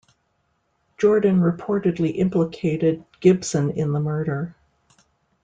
Jordan reportedly implicated Gibson in the murder.